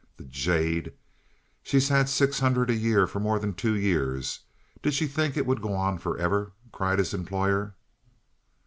"The jade! She's had six hundred a year for more than two years. Did she think it would go on for ever?" cried his employer.